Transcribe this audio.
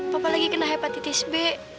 papa lagi kena hepatitis b